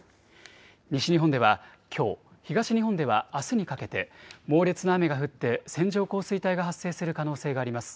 西日本ではきょう、東日本ではあすにかけて、猛烈な雨が降って線状降水帯が発生する可能性があります。